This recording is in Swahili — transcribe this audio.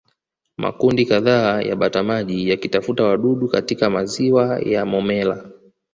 Makundi kadhaa ya batamaji yakitafuta wadudu katika maziwa ya Momella